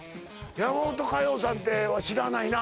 山本カヨさんって知らないな